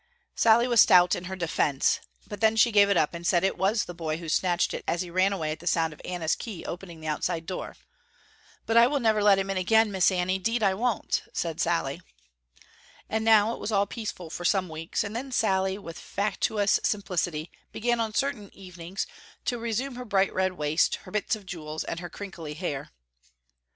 Sallie was stout in her defence but then she gave it up and she said it was the boy who snatched it as he ran away at the sound of Anna's key opening the outside door. "But I will never let him in again, Miss Annie, 'deed I won't," said Sallie. And now it was all peaceful for some weeks and then Sallie with fatuous simplicity began on certain evenings to resume her bright red waist, her bits of jewels and her crinkly hair.